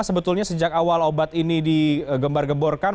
sebetulnya sejak awal obat ini digembar gemborkan